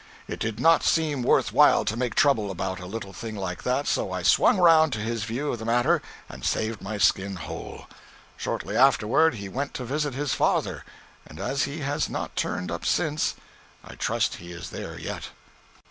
It did not seem worth while to make trouble about a little thing like that; so I swung round to his view of the matter and saved my skin whole. Shortly afterward, he went to visit his father; and as he has not turned up since, I trust he is there yet.